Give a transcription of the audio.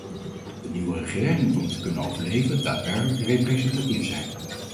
De nieuwe regering moet om te kunnen overleven daadwerkelijk representatief zijn.